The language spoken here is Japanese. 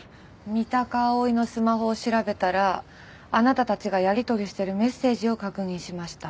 三鷹蒼のスマホを調べたらあなたたちがやり取りしてるメッセージを確認しました。